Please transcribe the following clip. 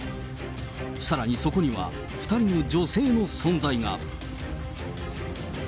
さらにそこには２人の女性の存在が。